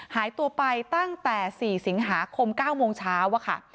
หายตัวไปตั้งแต่๔สิงหาคม๙โมงเช้าอะค่ะ